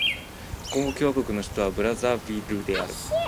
コンゴ共和国の首都はブラザヴィルである